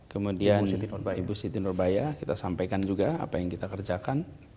kemudian ibu siti nurbaya kita sampaikan juga apa yang kita kerjakan